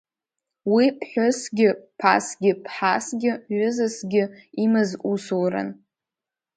Уи ԥҳәыссгьы, ԥасгьы, ԥҳасгьы, ҩызасгьы имаз усуран.